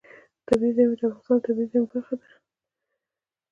طبیعي زیرمې د افغانستان د طبیعي زیرمو برخه ده.